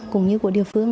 cũng như của địa phương